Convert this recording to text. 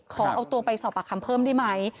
ขอเอาตัวไปสอบปากคำเพิ่มได้ไหม